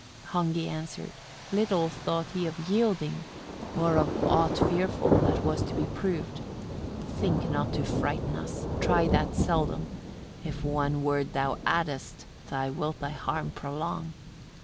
38. Hogni answered little thought he of yielding, or of aught fearful that was to be proved: "Think not to frighten us: try that seldom. If one word thou addest, thou wilt thy harm prolong."